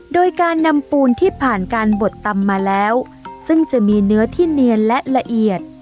โดยการนำปูนที่ผ่านการบดตำมาแล้วซึ่งจะมีเนื้อที่เนียนและละเอียด